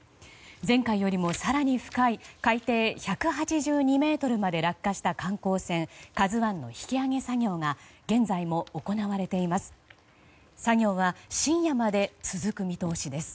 前回よりも更に深い海底１８２ｍまで落下した観光船「ＫＡＺＵ１」の引き揚げ作業が現在も行われています。